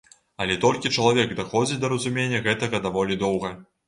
Але толькі чалавек даходзіць да разумення гэтага даволі доўга.